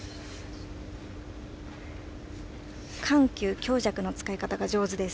緩急、強弱の使い方が上手です。